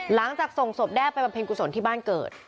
หลังจากส่งศพแด้ไปบำเพ็ญกุศลที่บ้านเกิด